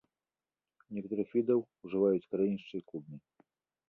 У некаторых відаў ужываюць карэнішчы і клубні.